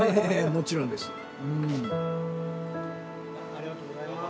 ありがとうございます。